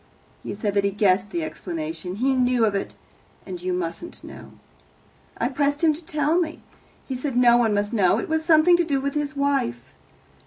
He said that he guessed the explanation he knew of it, and you mustn't know. I pressed him to tell me. He said no one must know; it was something to do with his wife.